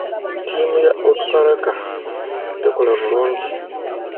Ttiimu ya Onduparaka tekola bulungi.